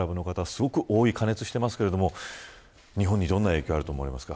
すごく多い、加熱していますけれども日本にどのような影響があると思いますか。